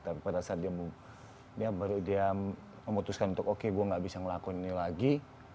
tapi pada saat dia memutuskan untuk oke gue gak bisa ngelakuin ini lagi